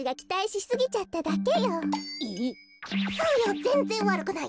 そうよぜんぜんわるくない。